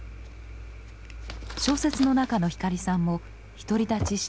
小説の中の光さんも独り立ちしていく。